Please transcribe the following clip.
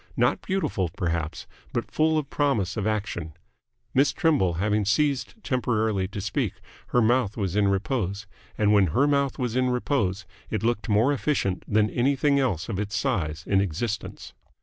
Not beautiful, perhaps, but full of promise of action. Miss Trimble having ceased temporarily to speak, her mouth was in repose, and when her mouth was in repose it looked more efficient than anything else of its size in existence.